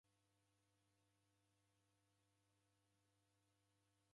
W'andu w'engi w'epuzia sharia mbishi.